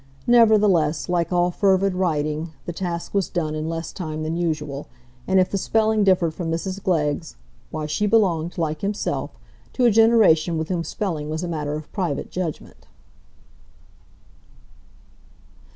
Nevertheless, like all fervid writing, the task was done in less time than usual, and if the spelling differed from Mrs Glegg's,—why, she belonged, like himself, to a generation with whom spelling was a matter of private judgment.